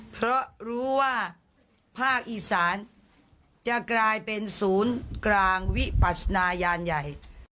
เพราะรู้ว่าภาคอีสานจะกลายเป็นศูนย์กลางวิปัศนายานใหญ่